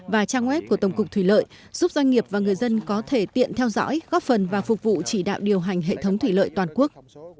và trang web của tổng cục thủy lợi giúp doanh nghiệp và người dân có thể tiện theo dõi góp phần và phục vụ chỉ đạo điều hành hệ thống thủy lợi toàn quốc